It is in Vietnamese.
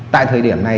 tại thời điểm này